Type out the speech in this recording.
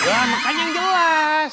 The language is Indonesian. wah makanya yang jelas